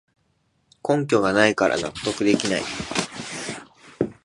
根拠がないから納得できない